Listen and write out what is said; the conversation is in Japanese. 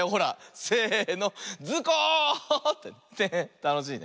たのしいね。